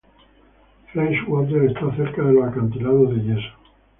Freshwater está cerca de los acantilados de yeso.